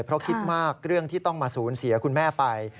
เพราะคิดมากเรื่องที่ต้องมาสูญเสียคุณแม่ไป